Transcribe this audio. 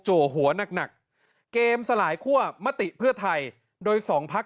หัวหนักหนักเกมสลายคั่วมติเพื่อไทยโดยสองพัก